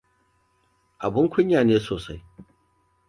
Abun kunya ne sosai.